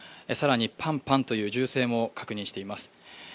更にパンパンという銃声も確認しています。